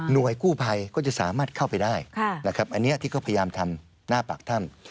โดยกู้ภัยก็จะสามารถเข้าไปได้นะครับอันนี้ที่เขาพยายามทำหน้าปากถ้ำ